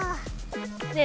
ねえ